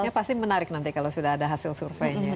ya pasti menarik nanti kalau sudah ada hasil surveinya